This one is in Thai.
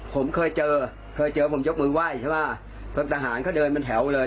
ผมเคยเจอผมยกมือไหว้ทหารเขาเดินเป็นแถวเลย